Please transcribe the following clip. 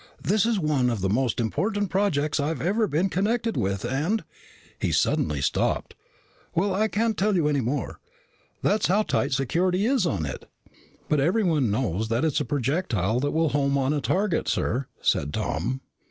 "This is one of the most important projects I've ever been connected with and " He stopped suddenly. "Well, I can't tell you any more. That's how tight the security is on it." "But everyone knows that it's a projectile that will home on a target, sir," said Tom.